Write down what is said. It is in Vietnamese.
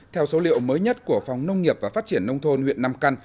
theo số liệu mới nhất của phòng nông nghiệp và phát triển nông thôn huyện nam căn